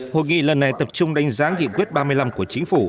hội nghị lần này tập trung đánh giá nghị quyết ba mươi năm của chính phủ